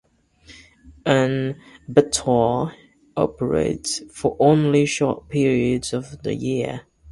An abattoir operates for only short periods of the year.